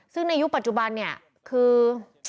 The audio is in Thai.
ซึ่งในยุคปัจจุบันคือ